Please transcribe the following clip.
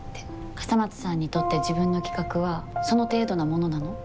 笠松さんにとって自分の企画はその程度なものなの？